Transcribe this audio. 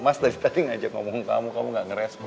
mas dari tadi ngajak ngomong kamu kamu gak ngerespon